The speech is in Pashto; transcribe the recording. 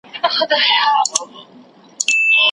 څه د پاسه دوه زره وطنوال پکښي شهیدان سول